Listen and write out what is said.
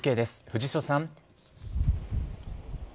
藤代さん。